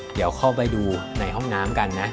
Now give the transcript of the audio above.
เดี๋ยวเข้าไปดูในห้องน้ำกันนะ